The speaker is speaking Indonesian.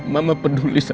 mama peduli sama aku